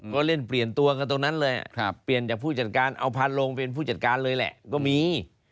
ก็เล่นเปลี่ยนตัวกันตรงนั้นเลยเปลี่ยนจากผู้จัดการเอาพันลงเป็นผู้จัดการเลยแหละก็มี